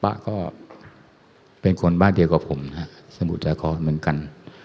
ป๊าก็เป็นคนบ้านเดียวกว่าผมสมุทรกรเหมือนกัน